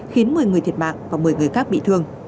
khiến một mươi người thiệt mạng và một mươi người khác bị thương